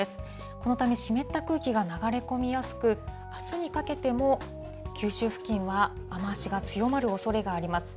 このため湿った空気が流れ込みやすく、あすにかけても九州付近は雨足が強まるおそれがあります。